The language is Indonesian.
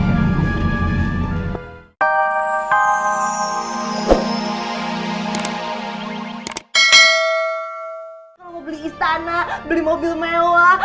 kalau mau beli istana beli mobil mewah